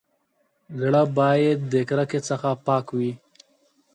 زړه بايد د کرکي څخه پاک وي.